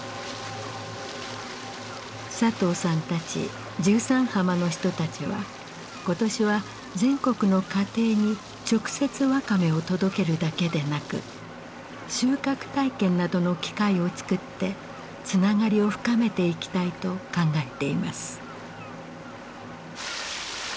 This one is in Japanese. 佐藤さんたち十三浜の人たちは今年は全国の家庭に直接ワカメを届けるだけでなく収穫体験などの機会を作ってつながりを深めていきたいと考えています。